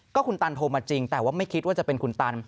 ก็คุณตันโทรมาจริงแต่ว่าไม่คิดว่าจะเป็นคุณตัน